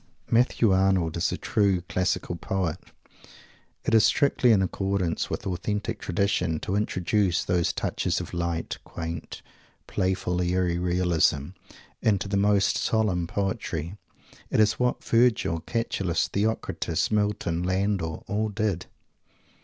Matthew Arnold is a true classical poet. It is strictly in accordance with the authentic tradition to introduce those touches of light, quaint, playful, airy realism into the most solemn poetry. It is what Virgil, Catullus, Theocritus, Milton, Landor, all did.